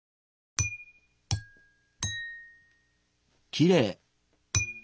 きれい！